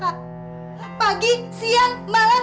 kakak tau ibu tuh selalu berdoa untuk kakak